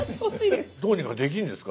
どうにかできるんですか？